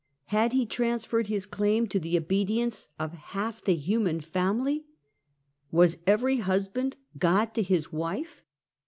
Had he transferred his claim to the obedience of half the human family? "Was every husband God to his wife?